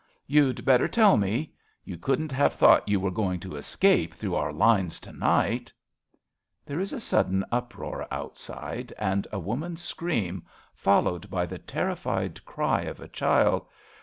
You'd better tell me. You couldn't have thought you were going to escape through our lines to night. {There is a sudden uproar outside^ and a woman's scream, followed by the ter'iHfied cry of a child.)